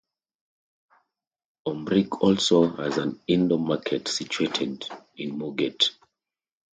Ormskirk also has an indoor market situated on Moorgate.